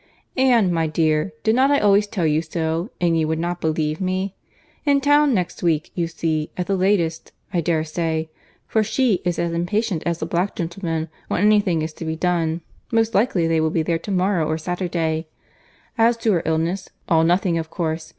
—Anne, my dear, did not I always tell you so, and you would not believe me?—In town next week, you see—at the latest, I dare say; for she is as impatient as the black gentleman when any thing is to be done; most likely they will be there to morrow or Saturday. As to her illness, all nothing of course.